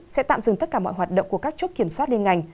sẽ tạm dừng tất cả mọi hoạt động của các chốt kiểm soát liên ngành